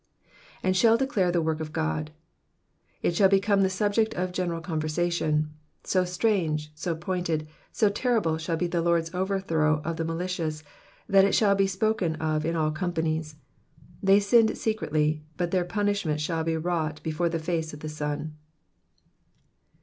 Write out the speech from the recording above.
*^^And shall declare the work of God,'*'* It shall become the subject of general conversation. So strange, so pointed, so terrible shall be the Lord^s overthrow of the malicious, that it shall be spoken of in all companies. They sinned secretly, but their punishment shall be iw^rought before the face of the sun.